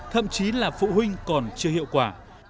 thậm chí là phụ huynh còn chưa hiệu quả